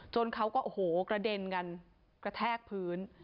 เขาก็โอ้โหกระเด็นกันกระแทกพื้น